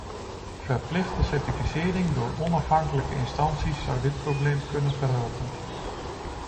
Verplichte certificering door onafhankelijke instanties zou dit probleem kunnen verhelpen.